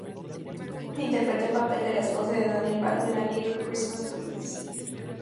Interpretó el papel de la esposa de Daniel Baldwin en "A Little Christmas Business".